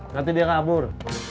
nanti dia kabur